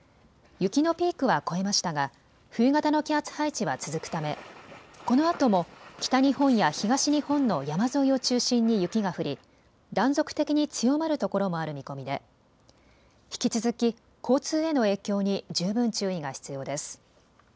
雪のピークは越えましたが冬型の気圧配置は続くためこのあとも北日本や東日本の山沿いを中心に雪が降り断続的に強まるところもある見込みで引き続き交通への影響に十分注意が必要です。